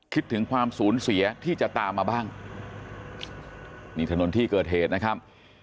คิดถึงความสูญเสียที่จะตามมาบ้างนี่ถนนที่เกิดเหตุนะครับ